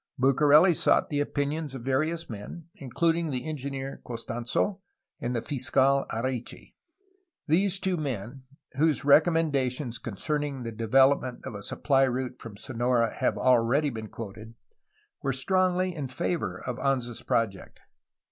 Bucareli sought the opinions of various men, including the engineer Costans6 and the fiscal Areche. These two men, whose recommendations concerning the development of a supply route from Sonora have already been quoted, were strongly in favor of Anza's project.